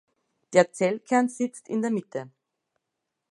Der Zellkern sitzt in der Mitte.